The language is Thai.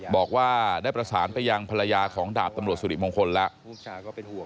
บอกว่าได้ประสานไปยังภรรยาของดาบตำรวจสุริมงคลแล้ว